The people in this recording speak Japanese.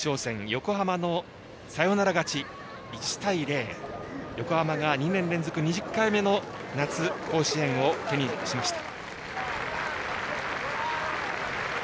横浜のサヨナラ勝ち１対０、横浜が２年連続２０回目の夏、甲子園を手にしました。